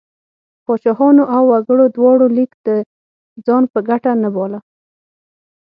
پاچاهانو او وګړو دواړو لیک د ځان په ګټه نه باله.